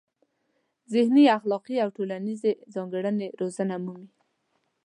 ذهني، اخلاقي او ټولنیزې ځانګړنې روزنه مومي.